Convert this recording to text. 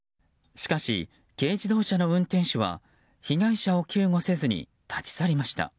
しかし、軽自動車の運転手は被害者を救護せずに立ち去りました。